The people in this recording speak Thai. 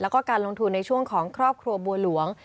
แล้วก็การลงทุนในช่วงของครอบครัวบัวหลวง